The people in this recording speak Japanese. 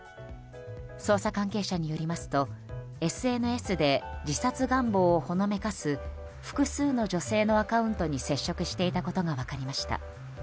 捜査関係者によりますとＳＮＳで自殺願望をほのめかす複数の女性のアカウントに接触していたことが分かりました。